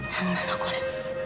これ。